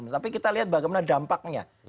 tapi kita lihat bagaimana dampaknya